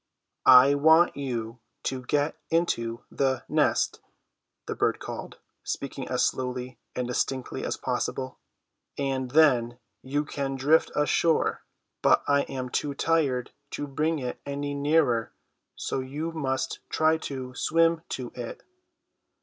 "I—want—you—to—get—into—the—nest," the bird called, speaking as slowly and distinctly as possible, "and—then—you—can—drift—ashore, but—I—am—too—tired—to—bring—it—any—nearer—so—you—must—try to—swim—to—it."